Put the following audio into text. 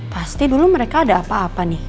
pasti dulu mereka ada apa apa nih